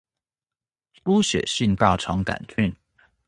出血性大腸桿菌